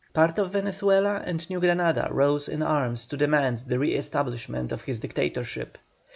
Part of Venezuela and New Granada rose in arms to demand the re establishment of his dictatorship.